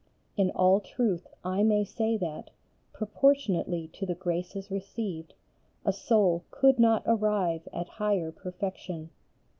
In all truth I may say that, proportionately to the graces received, a soul could not arrive at higher perfection.